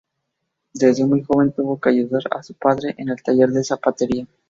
Desde muy joven tuvo que ayudar a su padre en el taller de zapatería.